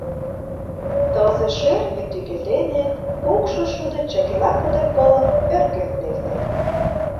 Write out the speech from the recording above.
Тылзе шӧртньӧ тӱкӧ дене кукшо шудо чыкела кудыр пылым ӧрген лекте.